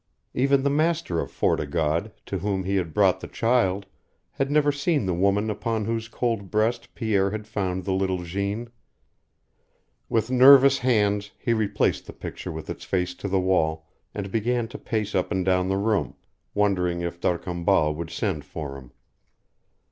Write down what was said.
Even the master of Fort o' God, to whom he had brought the child, had never seen the woman upon whose cold breast Pierre had found the little Jeanne. With nervous hands he replaced the picture with its face to the wall, and began to pace up and down the room, wondering if D'Arcambal would send for him.